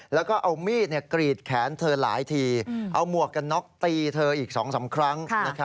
แล้วก็เอามีดกรีดแขนเธอหลายทีเอาหมวกกันน็อกตีเธออีก๒๓ครั้ง